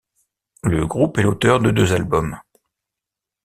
Le groupe est l'auteur de deux albums.